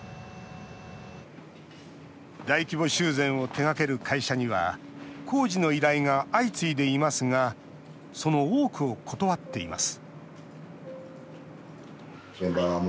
大規模修繕を手がける会社には工事の依頼が相次いでいますがその多くを断っています